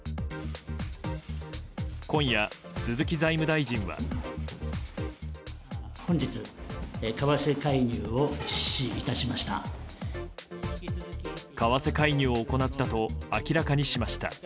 今夜、鈴木財務大臣は。為替介入を行ったと明らかにしました。